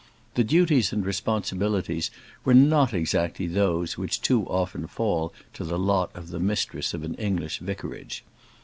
The duties and responsibilities were not exactly those which too often fall to the lot of the mistress of an English vicarage.